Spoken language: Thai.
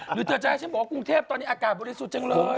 หรือเธอจะให้ฉันบอกว่ากรุงเทพตอนนี้อากาศบริสุทธิ์จังเลย